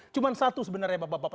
cuma satu sebenarnya bapak bapak